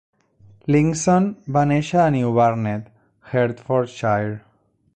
Linkson va néixer a New Barnet, Hertfordshire.